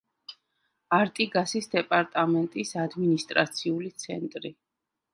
არტიგასის დეპარტამენტის ადმინისტრაციული ცენტრი.